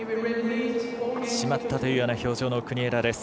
しまったという表情の国枝です。